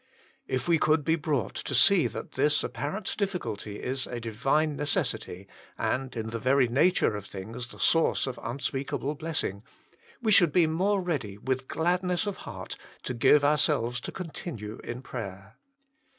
If we could be brought to see that this apparent difficulty is a Divine necessity, and in the very nature of things the source of unspeakable blessing, we should be more ready with gladness of heart to give ourselves to continue in prayer.